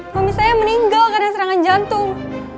suami saya meninggal karena serangan jantung